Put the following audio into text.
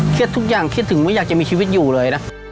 เครียดทุกอย่างเครียดถึงว่าอยากจะมีชีวิตอยู่เลยนะ